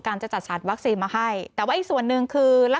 จะจัดสรรวัคซีนมาให้แต่ว่าอีกส่วนหนึ่งคือ